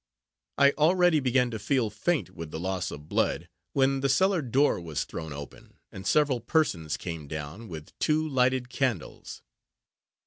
I already began to feel faint, with the loss of blood, when the cellar door was thrown open, and several persons came down, with two lighted candles.